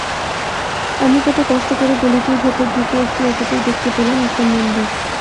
আমি কষ্ট করে গলিটির ভেতরে ঢুকে একটু এগোতেই দেখতে পেলাম একটা মন্দির।